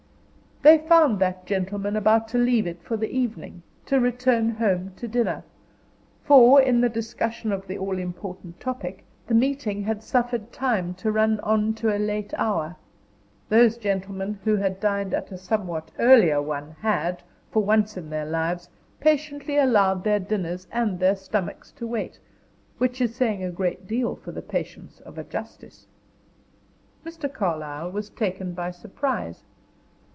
They found that gentleman about to leave it for the evening, to return home to dinner; for, in the discussion of the all important topic, the meeting had suffered time to run on to a late hour; those gentlemen who dined at a somewhat earlier one had, for once in their lives, patiently allowed their dinners and their stomachs to wait which is saying a great deal for the patience of a justice. Mr. Carlyle was taken by surprise.